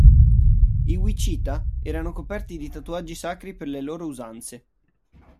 I wichita erano coperti di tatuaggi sacri per le loro usanze.